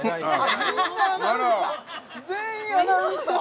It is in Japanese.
みんなアナウンサー？